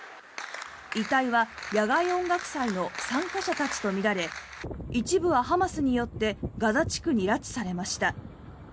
遺体は野外音楽祭の参加者たちとみられ一部はハマスによってガザ地区に拉致されました。